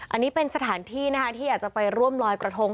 อันนี้เป็นสถานที่นะคะที่อยากจะไปร่วมลอยกระทง